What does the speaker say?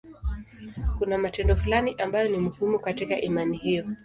Kuna matendo fulani ambayo ni muhimu katika imani hiyo.